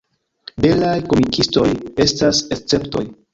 Belaj komikistoj estas esceptoj.